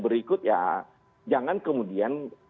berikut ya jangan kemudian